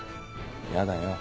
やだよ。